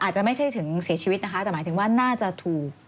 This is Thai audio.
อาจจะไม่ใช่ถึงเสียชีวิตนะคะแต่หมายถึงว่าน่าจะถูก